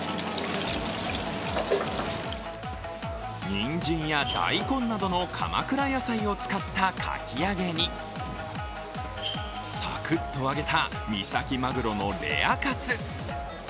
にんじんや大根などの鎌倉野菜を使ったかき揚げにさくっと揚げた三崎マグロのレアカツ。